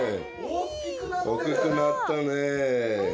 大きくなったね。